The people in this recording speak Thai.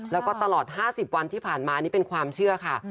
แล้วก็ตลอด๕๐วันที่ผ่านมานี่เป็นความเชื่อค่ะ